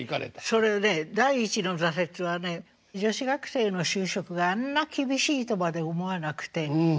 それで第一の挫折はね女子学生の就職があんな厳しいとまで思わなくて。